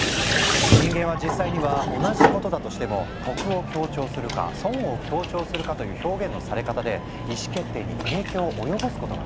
人間は実際には同じことだとしても得を強調するか損を強調するかという表現のされ方で意思決定に影響を及ぼすことがある。